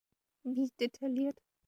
Wie detailliert?